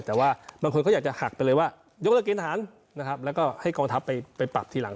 แต่ว่าบางคนก็อยากจะหักไปเลยว่ายกเลิกเกณฑหารนะครับแล้วก็ให้กองทัพไปปรับทีหลัง